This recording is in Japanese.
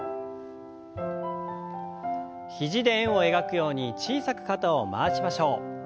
肘で円を描くように小さく肩を回しましょう。